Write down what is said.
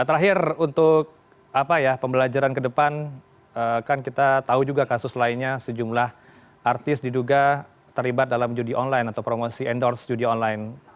terakhir untuk pembelajaran ke depan kan kita tahu juga kasus lainnya sejumlah artis diduga terlibat dalam judi online atau promosi endorse judi online